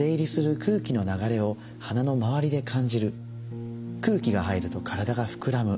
具体的には空気が入ると体が膨らむ。